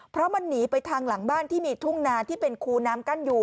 เพราะมันหนีไปทางหลังบ้านที่มีทุ่งนาที่เป็นคูน้ำกั้นอยู่